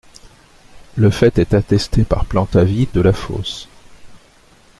Le fait est attesté par Plantavit de la Fosse.